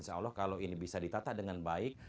kalau ini bisa ditata dengan baik